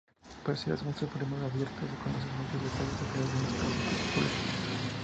Pese a ser un problema abierto, se conocen muchos detalles sobre algunos casos particulares.